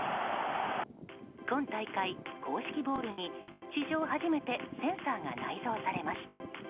今大会、公式ボールに史上初めてセンサーが内蔵されました。